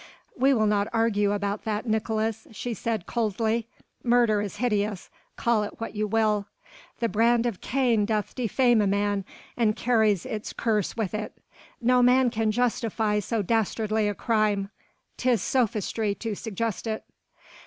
"We will not argue about that, Nicolaes," she said coldly. "Murder is hideous, call it what you will. The brand of Cain doth defame a man and carries its curse with it. No man can justify so dastardly a crime. 'Tis sophistry to suggest it."